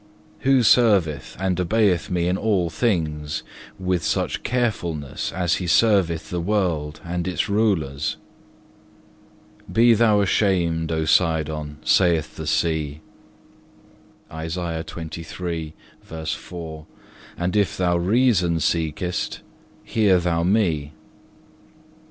Who serveth and obeyeth Me in all things, with such carefulness as he serveth the world and its rulers? Be thou ashamed, O Sidon, saith the sea;(3) And if thou reason seekest, hear thou me.